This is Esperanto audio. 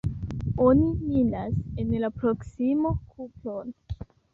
Oni minas en la proksimo kupron.